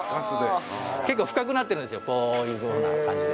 結構深くなってるんですよこういうふうな感じで。